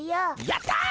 やった！